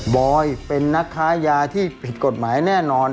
อยเป็นนักค้ายาที่ผิดกฎหมายแน่นอน